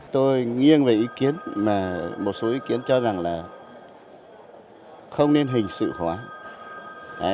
tôi nghiêng về một số ý kiến cho rằng là không nên hình sự hóa